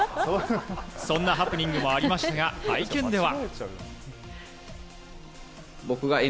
そんなハプニングもありましたが会見では。